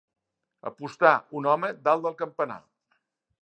Apostà un home dalt del campanar.